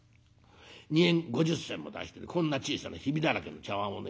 ２円５０銭も出してこんな小さなヒビだらけの茶わんをね